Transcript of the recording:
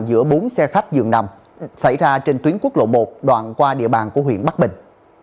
giữa bốn xe khách dường nằm xảy ra trên tuyến quốc lộ một đoạn qua địa bàn của huyện bắc bình